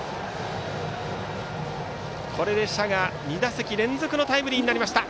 これで謝が２打席連続のタイムリーになりました。